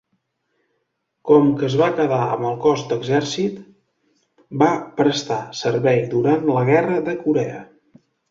Com que es va quedar amb el cos d'exèrcit, va prestar servei durant la guerra de Corea.